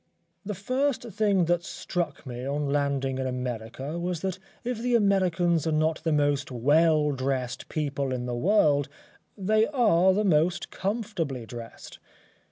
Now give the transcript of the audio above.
The first thing that struck me on landing in America was that if the Americans are not the most well dressed people in the world, they are the most comfortably dressed.